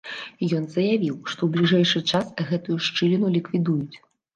Ён заявіў, што ў бліжэйшы час гэтую шчыліну ліквідуюць.